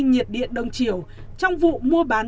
nhiệt điện đông triều trong vụ mua bán